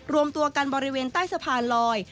รวมตัวกันบริเวณใต้สะพานลอย